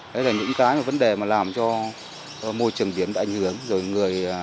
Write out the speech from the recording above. đấy là những cái vấn đề mà làm cho môi trường biển đại hưởng